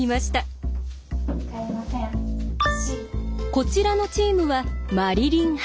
こちらのチームはマリリン派。